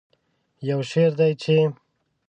یو شعر دی چې